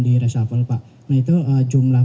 diresafel pak nah itu jumlah